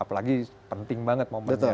apalagi penting banget momennya